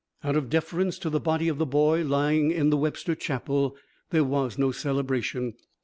Out of deference to the body of the boy lying in the Webster chapel there was no celebration.